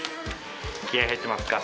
気合入ってますか？